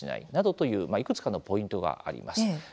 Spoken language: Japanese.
といういくつかのポイントがあります。